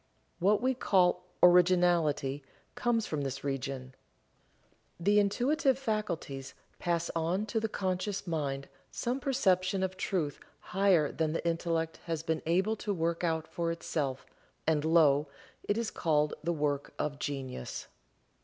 What we call "originality" comes from this region. The Intuitive faculties pass on to the conscious mind some perception of truth higher than the Intellect has been able to work out for itself, and lo! it is called the work of genius.